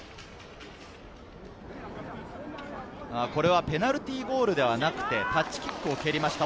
これはペナルティーゴールではなくて、タッチキックを切りました。